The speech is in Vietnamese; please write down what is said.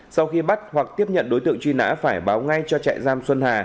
sau khi bắt hoặc tiếp nhận đối tượng truy nã phải báo ngay cho trại giam xuân hà